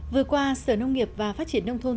vừa qua sở nông nghiệp và phát triển nông thôn